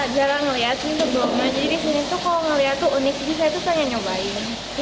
jarang ngeliatin tuh belum aja di sini tuh kalau ngeliat tuh unik sih saya tuh hanya nyobain